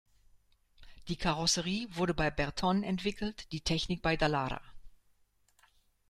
Die Karosserie wurde bei Bertone entwickelt, die Technik bei Dallara.